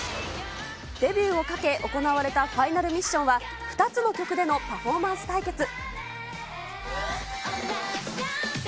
デビューをかけ、行われたファイナルミッションは、２つの曲でのパフォーマンス対決。